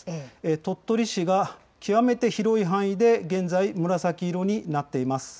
鳥取市が極めて広い範囲で、現在、紫色になっています。